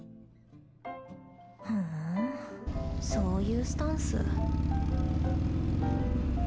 ふんそういうスタンス。